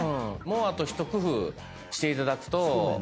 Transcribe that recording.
もうあと一工夫していただくと。